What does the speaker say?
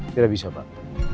tidak bisa pak